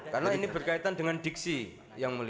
karena ini berkaitan dengan diksi yang mulia